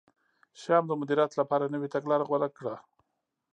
شیام د مدیریت لپاره نوې تګلاره غوره کړه.